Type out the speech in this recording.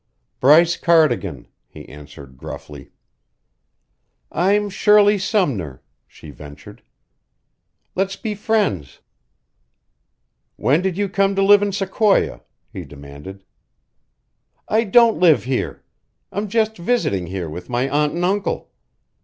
"Bryce Cardigan," he answered gruffly. "I'm Shirley Sumner," she ventured, "Let's be friends." "When did you come to live in Sequoia?" he demanded. "I don't live here. I'm just visiting here with my aunt and uncle.